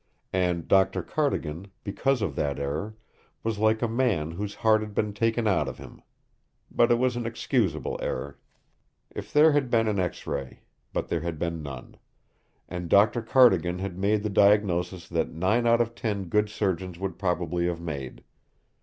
And Doctor Cardigan, because of that error, was like a man whose heart had been taken out of him. But it was an excusable error. If there had been an X ray But there had been none. And Doctor Cardigan had made the diagnosis that nine out of ten good surgeons would probably have made.